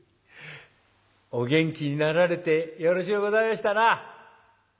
お元気になられてよろしゅうございましたな！